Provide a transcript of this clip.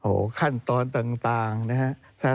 โอ้โหขั้นตอนต่างนะครับ